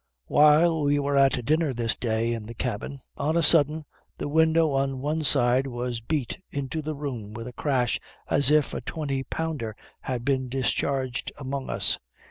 Whilst we were at dinner this day in the cabin, on a sudden the window on one side was beat into the room with a crash as if a twenty pounder had been discharged among us.